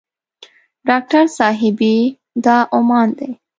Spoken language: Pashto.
ډاکټر صاحبې دا عمان دی.